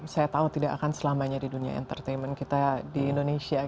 saya tahu tidak akan selamanya di dunia entertainment kita di indonesia